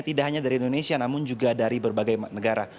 tidak hanya dari indonesia namun juga dari berbagai negara